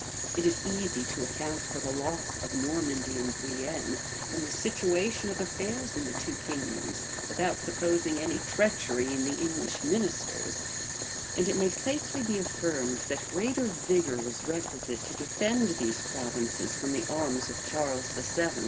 It is easy to account for the loss of Normandy and Guienne, from the situation of affairs in the two kingdoms, without supposing any treachery in the English ministers; and it may safely be affirmed, that greater vigor was requisite to defend these provinces from the arms of Charles VII.